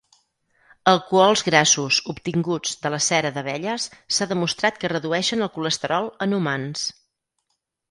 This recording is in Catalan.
Alcohols grassos obtinguts de la cera d’abelles s’ha demostrat que redueixen el colesterol en humans.